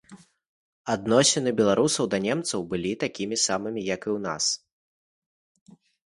Адносіны беларусаў да немцаў былі такімі самымі, як і ў нас.